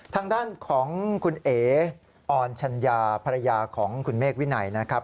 ทางด้านของคุณเออออนชัญญาภรรยาของคุณเมฆวินัยนะครับ